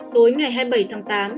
tối ngày hai mươi bảy tháng tám